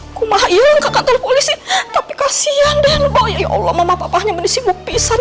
aku mah ya kakak tentu surprising tapi kasian nembok ya allah mama apa apanya berdisibuk pisah